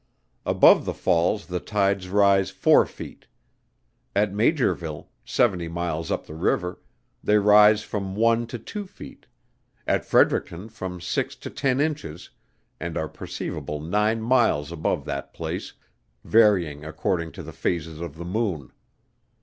Above the falls the tides rise four feet. At Maugerville, seventy miles up the river, they rise from one to two feet; at Fredericton from six to ten inches, and are perceivable nine miles above that place, varying according to the phases of the moon.